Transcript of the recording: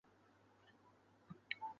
加强城市外交